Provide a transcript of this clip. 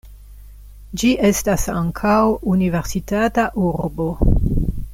Ĝi estas ankaŭ universitata urbo.